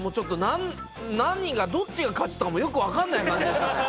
何が、どっちが勝ちとかも、よくわかんない感じでしたね。